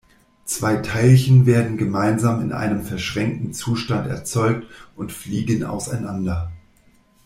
Zwei Teilchen werden gemeinsam in einem verschränkten Zustand erzeugt und fliegen auseinander.